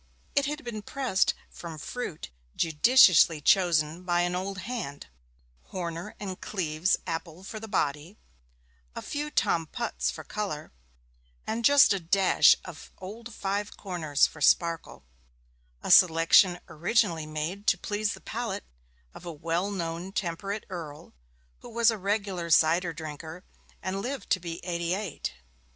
It had been pressed from fruit judiciously chosen by an old hand Horner and Cleeves apple for the body, a few Tom Putts for colour, and just a dash of Old Five corners for sparkle a selection originally made to please the palate of a well known temperate earl who was a regular cider drinker, and lived to be eighty eight.